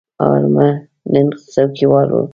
آرمل نن څوکیوال دی.